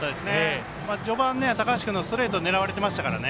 序盤、高橋君のストレート狙われていましたからね。